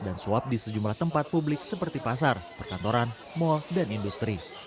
dan swab di sejumlah tempat publik seperti pasar perkantoran mal dan industri